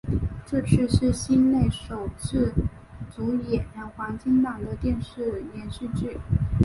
这次是西内首次主演黄金档的电视连续剧。